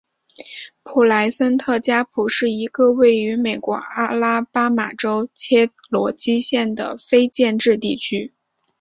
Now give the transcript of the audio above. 普莱森特加普是一个位于美国阿拉巴马州切罗基县的非建制地区。